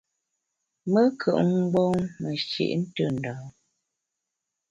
Me nkùp mgbom meshi’ ntù ndâ a.